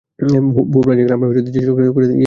বহু প্রাচীনকালে আমরা যে সুর ব্যবহার করিতাম, ইহা সেই সুর।